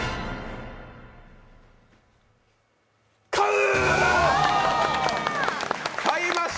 買う！